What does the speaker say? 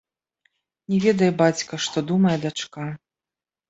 Не ведае бацька, што думае дачка.